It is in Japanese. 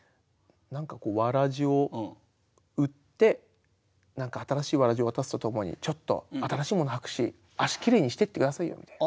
何かこうわらぢを売って何か新しいわらぢを渡すとともにちょっと新しいもの履くし足きれいにしてって下さいよみたいな。